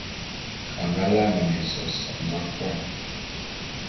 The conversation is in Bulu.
A nga lane mengôs a nga kôan.